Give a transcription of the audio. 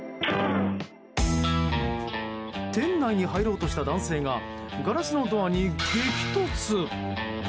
店内に入ろうとした男性がガラスのドアに激突。